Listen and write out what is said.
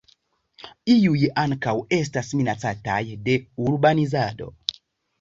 Iuj ankaŭ estas minacataj de urbanizado.